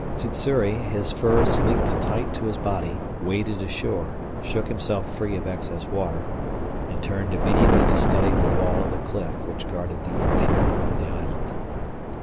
Sssuri, his fur sleeked tight to his body, waded ashore, shook himself free of excess water, and turned immediately to study the wall of the cliff which guarded the interior of the island.